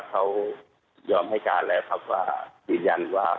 เขายอมให้การบินยันว่า